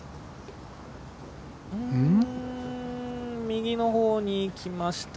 右のほうに行きました。